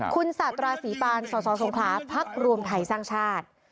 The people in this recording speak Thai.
ครุสตรศรีปาหรณ์ศาสศสภาพพรรครวมไถทรรศักดิ์ชาติ